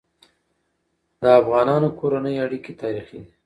د افغانانو کورنی اړيکي تاریخي دي.